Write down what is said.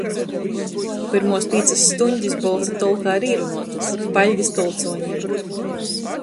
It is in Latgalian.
Pyrmuos pīcys stuņdis Bolsu tolkā ir īrunuotys. Paļdis tolcuonim!